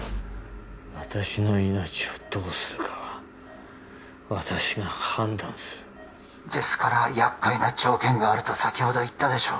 私の命をどうするかは私が判断するですから厄介な条件があると先ほど言ったでしょう